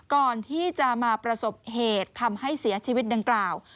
ก่อนที่จะมาประสบเหตุทำให้เสียชีวิตดังกล่าว